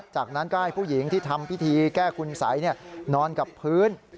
จากนั้นก็ให้ผู้หญิงที่ทำพิธีแก้คุณสัยนอนกับพื้น